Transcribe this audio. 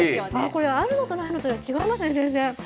これ、あるのとないのとでは違いますね、全然。